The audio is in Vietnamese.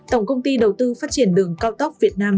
tổng công ty đầu tư phát triển đường cao tốc việt nam